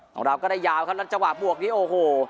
ของเราก็ได้ยาวครับแล้วจังหวะบวกนี้โอ้โห